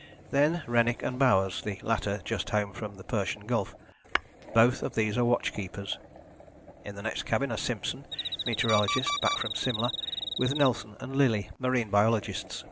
Then Rennick and Bowers, the latter just home from the Persian Gulf both of these are watchkeepers. In the next cabin are Simpson, meteorologist, back from Simla, with Nelson and Lillie, marine biologists.